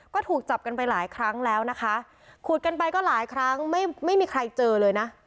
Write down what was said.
ก็ถูกจับกันไปหลายครั้งแล้วนะคะขุดกันไปก็หลายครั้งไม่ไม่มีใครเจอเลยนะ